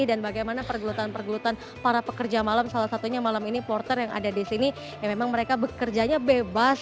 dan bagaimana pergelutan pergelutan para pekerja malam salah satunya malam ini porter yang ada di sini ya memang mereka bekerjanya bebas